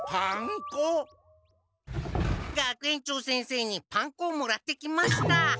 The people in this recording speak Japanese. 学園長先生にパン粉をもらってきました。